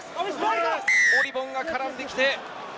オリヴォンが絡んできて。